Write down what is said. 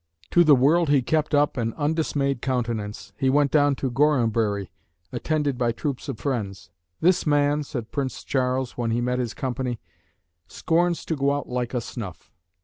To the world he kept up an undismayed countenance: he went down to Gorhambury, attended by troops of friends. "This man," said Prince Charles, when he met his company, "scorns to go out like a snuff."